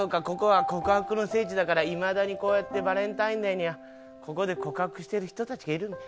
ここは告白の聖地だからいまだにこうやってバレンタインデーにここで告白してる人たちがいる。